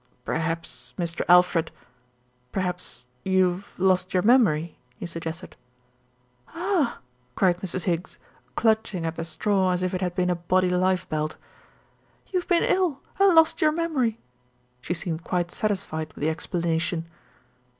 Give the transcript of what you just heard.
"Perhaps Mr. Alfred perhaps you've lost your memory," he suggested. "Ah!" cried Mrs. Higgs, clutching at the straw as if it had been a Boddy lifebelt. "You've been ill and lost your memory." She seemed quite satisfied with the explanation.